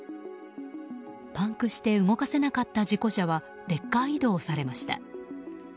パンクして動かせなかった事故車はレッカー移動されました。